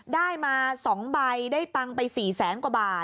ได้มา๒ใบได้ตังค์ไป๔แสนกว่าบาท